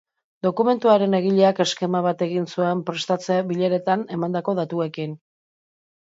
Dokumentuaren egileak eskema bat egin zuen prestatze bileretan emandako datuekin.